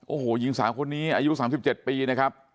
โอ้โหยิงสามคนนี้อายุสามสิบเจ็ดปีนะครับ